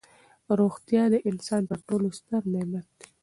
روغتیا د انسان تر ټولو ستر نعمت دی.